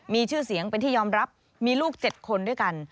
มีชื่อเสียงเป็นที่ยอมรับมีลูก๗คนด้วยกัน